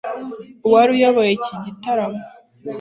uwari uyoboye iki gitaramo